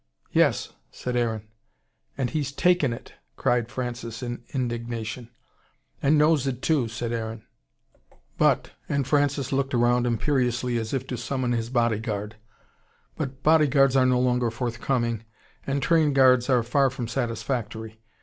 "Yes!" said Aaron. "And he's TAKEN it !" cried Francis in indignation. "And knows it, too," said Aaron. "But !" and Francis looked round imperiously, as if to summon his bodyguard. But bodyguards are no longer forthcoming, and train guards are far from satisfactory.